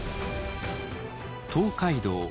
東海道